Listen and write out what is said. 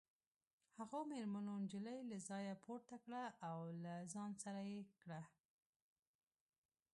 هغو مېرمنو نجلۍ له ځایه پورته کړه او له ځان سره یې کړه